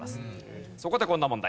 そこでこんな問題。